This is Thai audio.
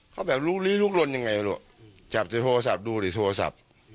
เขาแบบลื้อลุกลนยังไงก็รู้จับได้โทรศัพท์ดูได้โทรศัพท์